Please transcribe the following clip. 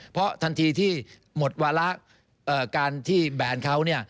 เพราะทันทีที่หมดวาระการที่แบนเขาเนี่ย